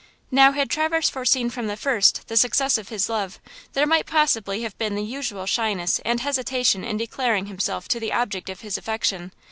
Now, had Traverse foreseen from the first the success of his love, there might possibly have been the usual shyness and hesitation in declaring himself to the object of his affection.